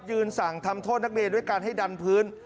สั่งทำโทษนักเรียนด้วยการให้ดันพื้น